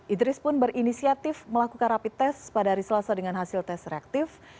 idris pun berinisiatif melakukan rapi tes pada hari selasa dengan hasil tes reaktif